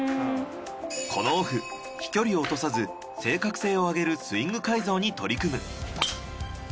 このオフ飛距離を落とさず正確性を上げるスイング改造に取り組む。